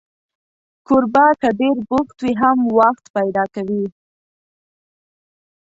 کوربه که ډېر بوخت وي، هم وخت پیدا کوي.